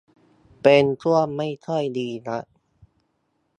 เป็นช่วงไม่ค่อยดีนัก